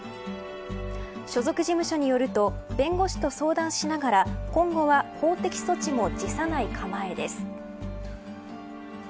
所属事務所によると弁護士と相談しながら今後は法的措置も辞さない構えです。